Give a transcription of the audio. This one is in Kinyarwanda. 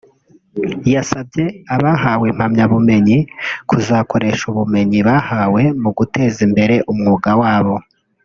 yasabye abahawe impamyabumenyi kuzakoresha ubumenyi bahawe mu guteza imbere umwuga wabo